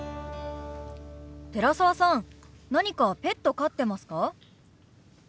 寺澤さん何かペット飼ってますか？